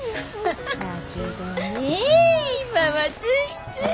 だけどね今はついつい。